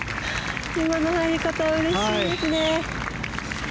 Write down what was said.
今の入り方はうれしいですね。